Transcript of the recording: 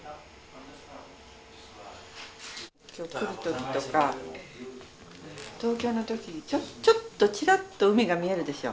今日来る時とか東京の時にちょっとちらっと海が見えるでしょう